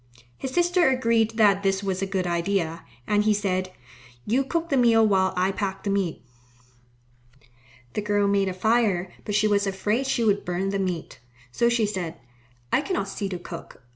His sister agreed that this was a good idea, and he said, "You cook the meal while I pack the meat." The girl made a fire, but she was afraid she would burn the meat, so she said, "I cannot see to cook.